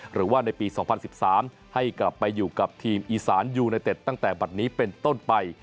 หรือว่าในปี๒๐๑๓ให้กลับไปอยู่กับทีมอีสานยูไนเต็ดตั้งแต่บัตรนี้เป็นต้นไป